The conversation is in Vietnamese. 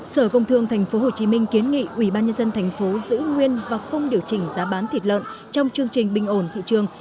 sở công thương tp hcm kiến nghị ubnd tp giữ nguyên và không điều chỉnh giá bán thịt lợn trong chương trình bình ổn thị trường